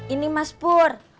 ini mas pur